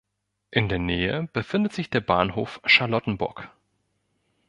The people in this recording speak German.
In der Nähe befindet sich der Bahnhof Charlottenburg.